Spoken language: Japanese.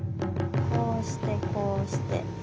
こうしてこうして。